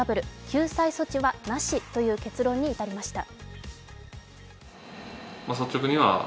救済措置はなしという結論に至りました。